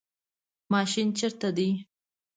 ماشین چیرته دی؟